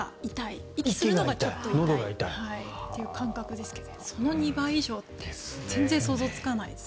息するのが痛いという感覚ですけどその２倍以上って全然想像がつかないですね。